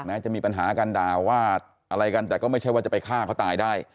จะมีปัญหากันด่าว่าอะไรกันแต่ก็ไม่ใช่ว่าจะไปฆ่าเขาตายได้